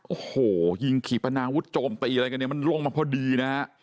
โอ้โหยิงขี่ปนาวุธโจมตีอะไรกันเนี่ยมันลงมาพอดีนะฮะ